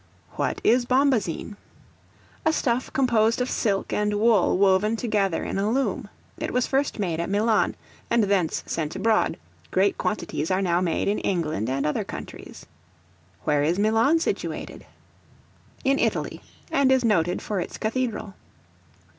What is Bombazine? A stuff composed of silk and wool woven together in a loom. It was first made at Milan, and thence sent abroad; great quantities are now made in England and other countries. Where is Milan situated? In Italy, and is noted for its cathedral.